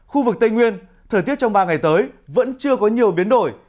khu vực tây nguyên thời tiết trong ba ngày tới vẫn chưa có nhiều biến đổi